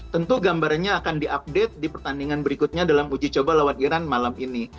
tentu gambarannya akan diupdate di pertandingan berikutnya dalam uji coba lawan iran malam ini